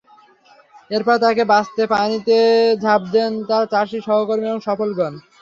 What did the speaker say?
এরপর তাঁকে বাঁচাতে পানিতে ঝাঁপ দেন তাঁর চার সহকর্মী এবং সফল হন।